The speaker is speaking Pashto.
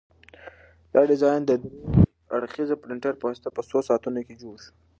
دا ډیزاین د درې اړخیزه پرنټر په واسطه په څو ساعتونو کې جوړ شو.